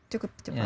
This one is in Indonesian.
cukup cepat ya